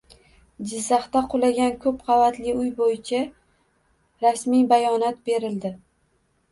Jizzaxda qulagan ko‘p qavatli uy bo‘yicha rasmiy bayonot berildi